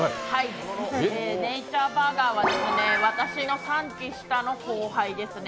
ネイチャーバーガーは私の３期下の後輩ですね。